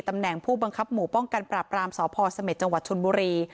ตำแหน่งผู้บังคับหมู่ป้องกันปราบรามสพเสม็จจังหวัดชนบุรี